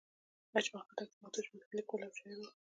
اجمل خټک د پښتو ژبې ښه لیکوال او شاعر وو